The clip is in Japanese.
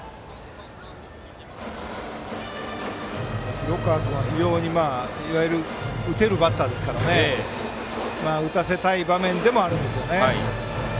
広川君は非常に打てるバッターですから打たせたい場面でもありますよね。